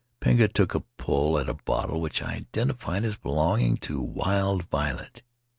Pinga took a pull at a bottle which I identified as belonging to Wild Violet.